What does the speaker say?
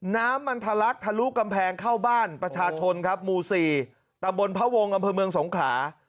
น้ำมันทะลักทะลุกำแพงเข้าบ้านประชาชนครับหมู่๔ตะบนพระวงศ์อำเภอเมืองสงขลา